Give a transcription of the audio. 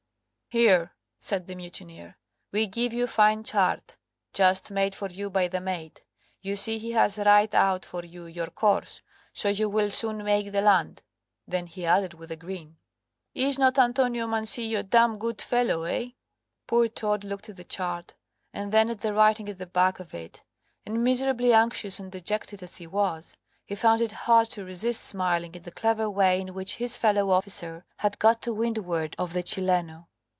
"Here," said the mutineer, "we give you fine chart, just made for you by the mate. You see he has write out for you your course, so you will soon make the land." Then he added with a grin "Is not Antonio Mancillo damn good fellow, eh?" Poor Todd looked at the chart, and then at the writing at the back of it, and miserably anxious and dejected as he was, he found it hard to resist smiling at the clever way in which his fellow officer had got to windward of the Chileno.